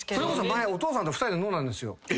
前お父さんと２人で飲んだんですよ。